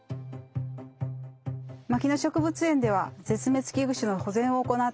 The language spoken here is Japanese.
牧野植物園では絶滅危惧種の保全を行っています。